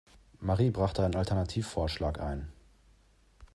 Marie brachte einen Alternativvorschlag ein.